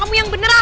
kamu yang beneran